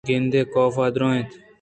بہ گندے!!کاف ءَ درّائینت